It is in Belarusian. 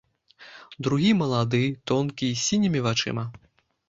Другі малады, тонкі, з сінімі вачыма.